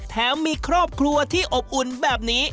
มีครอบครัวที่อบอุ่นแบบนี้